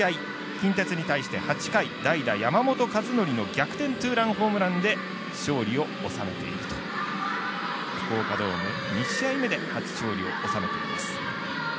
近鉄に対して８回、代打、山本の逆転ツーランホームランで勝利を収めていると福岡ドーム２試合目で初勝利を収めています。